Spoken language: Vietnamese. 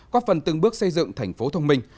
có phần từng bước xây dựng thành phố thông minh